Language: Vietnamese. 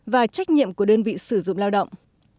và trách nhiệm của đơn vị sử dụng lao động